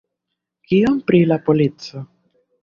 Kion pri la polico?